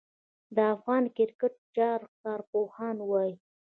د افغان کرېکټ چارو کارپوهان وايي